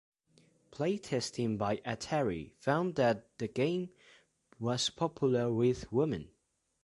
Playtesting by Atari found that the game was popular with women.